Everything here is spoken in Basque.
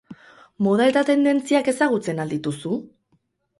Moda eta tendentziak ezagutzen al dituzu?